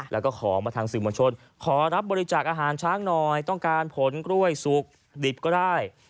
แล้วก็ขอมาทางสื่อมวลชนขอรับบริจาคอาหารช้างหน่อยต้องการผลกล้วยสุกดิบก็ได้